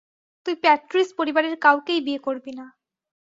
তুই প্যাট্রিজ পরিবারের কাউকেই বিয়ে করবি না।